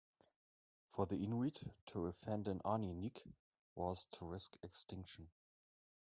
For the Inuit, to offend an "anirniq" was to risk extinction.